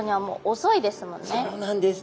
そうなんです。